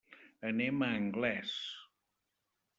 Anem a Anglès.